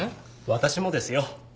私もですよ。